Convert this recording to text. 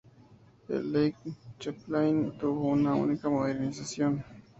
El "Lake Champlain" tuvo una única modernización.